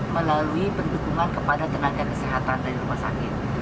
melalui pendukungan kepada tenaga kesehatan dari rumah sakit